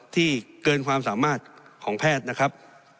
เกินความสามารถของแพทย์นะครับ